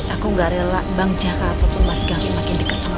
aku enggak rela bang jakarta pun masih lagi makin dekat sama